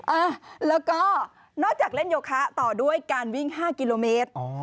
เออแล้วก็นอกจากเล่นโยคะต่อด้วยการวิ่ง๕กิโลเมตร